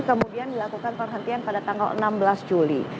kemudian dilakukan penghentian pada tanggal enam belas juli